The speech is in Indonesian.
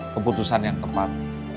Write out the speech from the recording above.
keputusan yang tepat